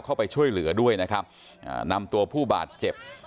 เข้าไปช่วยเหลือด้วยนะครับอ่านำตัวผู้บาดเจ็บ